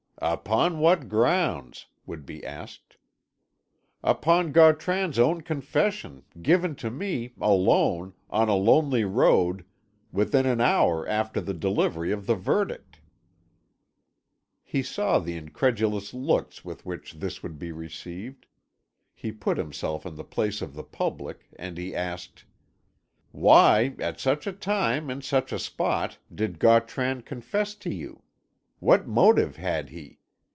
"Upon what grounds?" would be asked. "Upon Gautran's own confession, given to me, alone, on a lonely road, within an hour after the delivery of the verdict." He saw the incredulous looks with which this would be received. He put himself in the place of the public, and he asked: "Why, at such a time, in such a spot, did Gautran confess to you? What motive had he?